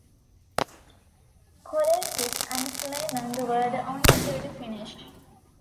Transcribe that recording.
Kolettis and Flameng were the only two to finish.